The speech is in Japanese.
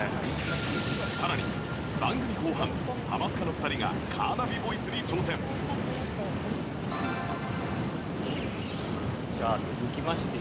さらに番組後半『ハマスカ』の２人がカーナビボイスに挑戦じゃあ続きましていきましょう。